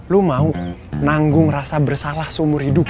lo mau nanggung rasa bersalah seumur hidup